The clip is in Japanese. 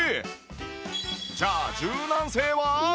じゃあ柔軟性は？